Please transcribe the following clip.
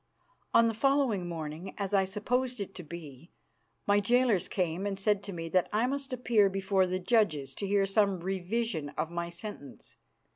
On the following morning, as I supposed it to be, my jailers came and said to me that I must appear before the judges to hear some revision of my sentence.